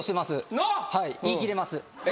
言い切れます。